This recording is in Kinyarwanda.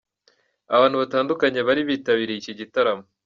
Abantu batandukanye bari bitabiriye iki gitaramo.